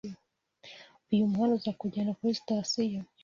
Uyu muhanda uzakujyana kuri sitasiyo.